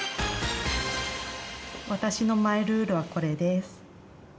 私のマイルールはこれです。